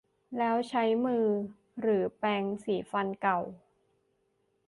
แล้วใช้มือหรือแปรงสีฟันเก่า